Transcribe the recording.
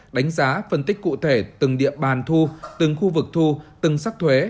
đánh giá phân tích cụ thể từng địa bàn thu từng khu vực thu từng sắc thuế